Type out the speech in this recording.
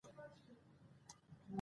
باید د دې حق غوښتنه وکړو.